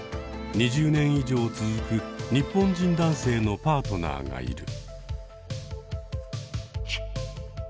２０年以上続く日本人男性のパートナーがいる。